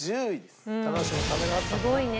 すごいね。